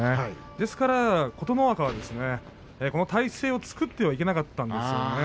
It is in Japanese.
ですから琴ノ若はこの体勢を作ってはいけなかったですね。